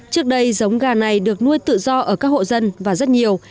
trước đây giống gà này được nuôi tự do ở các hộ dân và rất nhiều